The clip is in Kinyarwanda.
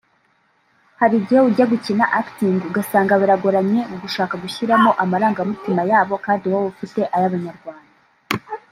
Hari igihe ujya gukina (actinga) ugasanga biragoranye mu gushaka gushyiramo amarangamutima yabo kandi wowe ufite ay’abanyarwanda